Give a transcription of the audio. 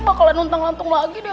tante tante gak usah